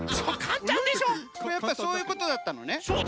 これやっぱそういうことだったのね。